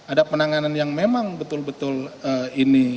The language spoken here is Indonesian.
ada penanganan yang memang betul betul ini